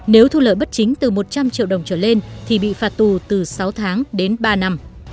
nếu thu lợi bất chính từ một trăm linh triệu đồng trở lên thì bị phạt tù từ sáu tháng đến ba năm